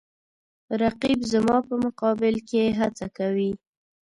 رقیب زما په مقابل کې هڅه کوي